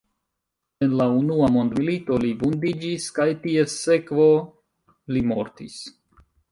En la unua mondmilito li vundiĝis kaj ties sekvo li mortis.